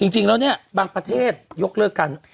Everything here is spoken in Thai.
จริงแล้วเนี่ยบางประเทศยกเลิกกัน